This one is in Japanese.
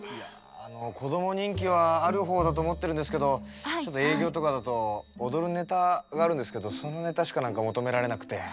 こども人気はある方だと思ってるんですけどちょっと営業とかだと踊るネタがあるんですけどそのネタしか何か求められなくて。